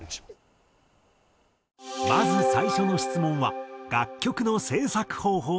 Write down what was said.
まず最初の質問は楽曲の制作方法について。